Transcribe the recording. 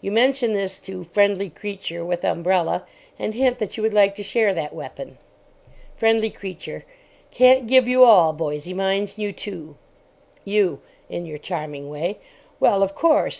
You mention this to Friendly Creature with umbrella, and hint that you would like to share that weapon.) FRIENDLY CREATURE. Can't give you all, boysie. Mine's new, too. YOU. (in your charming way). Well, of course.